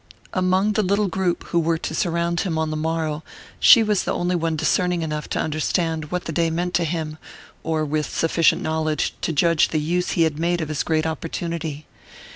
Among the little group who were to surround him on the morrow, she was the only one discerning enough to understand what the day meant to him, or with sufficient knowledge to judge of the use he had made of his great opportunity.